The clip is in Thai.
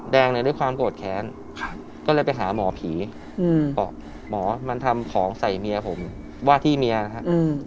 แดงเนี่ยด้วยความโกรธแค้นก็เลยไปหาหมอผีบอกหมอมันทำของใส่เมียผมว่าที่เมียนะครับ